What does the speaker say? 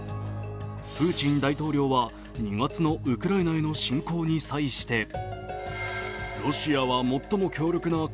プーチン大統領は２月のウクライナへの侵攻に際してと発言。